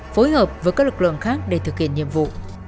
phối hợp với các lực lượng khác để thực hiện nhiệm vụ